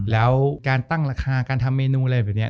แล้วการตั้งราคาการทำเมนูอะไรแบบนี้